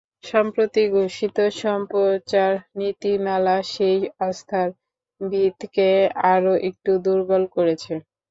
সম্প্রতি ঘোষিত সম্প্রচার নীতিমালা সেই আস্থার ভিতকে আরও একটু দুর্বল করেছে।